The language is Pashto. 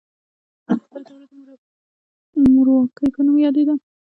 دا دوره د مورواکۍ په نوم یادیده.